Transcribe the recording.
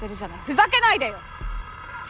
ふざけないでよ！